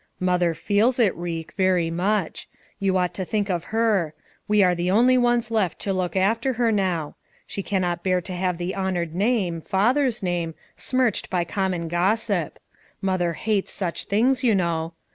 "Mother feels it, Reck, very much. You ought to think of her; we arc the only ones left to look after her now. She cannot bear to have the honored name, father's name, smirched by common gossip; Mother hates such things, you know.